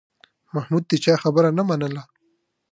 محمود د چا خبره نه منله.